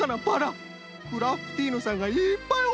クラフティーヌさんがいっぱいおるみたい！